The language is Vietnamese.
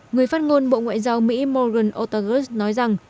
người phát ngôn bộ ngoại giao mỹ morgan oterus nói rằng